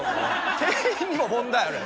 店員にも問題あるよ。